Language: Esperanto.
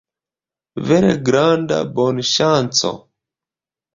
Vere granda bonŝanco.